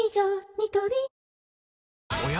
ニトリおや？